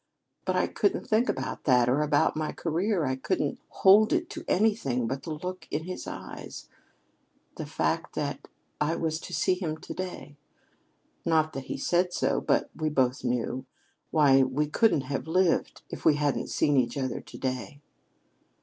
But I couldn't think about that, or about my career. I couldn't hold to anything but the look in his eyes and the fact that I was to see him to day. Not that he said so. But we both knew. Why, we couldn't have lived if we hadn't seen each other to day."